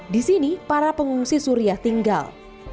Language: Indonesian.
di sini para pengungsi suriah tinggal